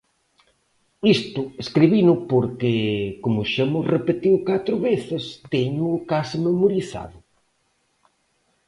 Isto escribino porque, como xa mo repetiu catro veces, téñoo case memorizado.